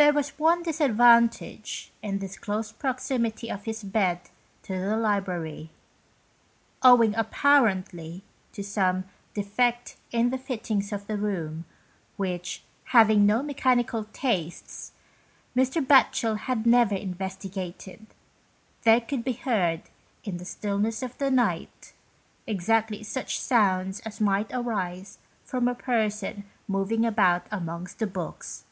There was one disadvantage in this close proximity of his bed to the library. Owing, appar rently, to some defect in the fittings of the room, which, having no mechanical tastes, Mr Batchel had never investigated, there could be heard, in the stillness of the night, exactly such sounds as might arise from a person moving about amongst the books.